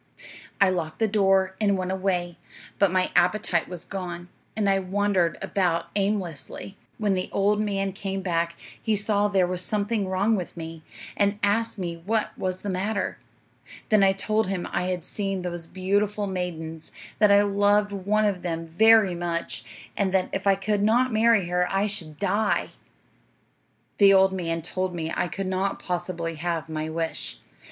"'I locked the door, and went away; but my appetite was gone, and I wandered about aimlessly. When the old man came back, he saw there was something wrong with me, and asked me what was the matter. Then I told him I had seen those beautiful maidens, that I loved one of them very much, and that if I could not marry her I should die. "'The old man told me I could not possibly have my wish.